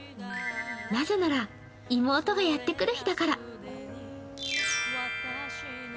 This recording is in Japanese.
なぜなら妹がやってくる日だから。